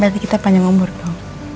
berarti kita panjang umur tuh